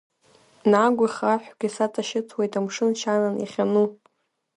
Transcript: Нагә ихаҳәгьы саҵашьыцуеит, амшын шьанан иахьану.